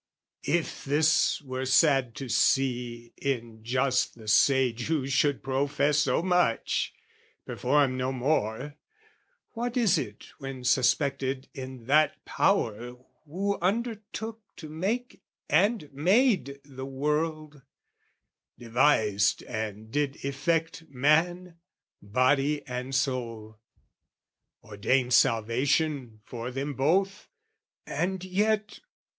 If this were sad to see in just the sage Who should profess so much, perform no more, What is it when suspected in that Power Who undertook to make and made the world, Devised and did effect man, body and soul, Ordained salvation for them both, and yet...